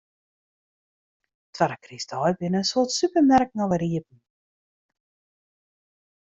Twadde krystdei binne in soad supermerken alwer iepen.